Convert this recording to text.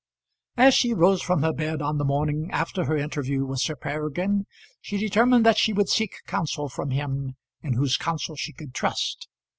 As she rose from her bed on the morning after her interview with Sir Peregrine, she determined that she would seek counsel from him in whose counsel she could trust.